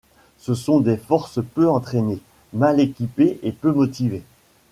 Ce sont des forces peu entraînées, mal équipées et peu motivées.